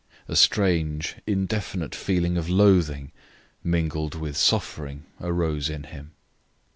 A strange, indefinite feeling of loathing, mingled with suffering, arose in him.